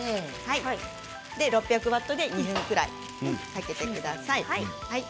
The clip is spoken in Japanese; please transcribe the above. ６００ワットで２分ぐらいかけてください。